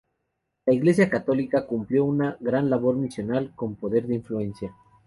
La Iglesia católica cumplió una gran labor misional con gran poder de influencia.